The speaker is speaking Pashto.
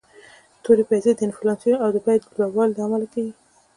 تورې پیسي د انفلاسیون او د بیو د لوړوالي لامل کیږي.